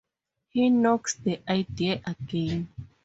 He knocks the idea again.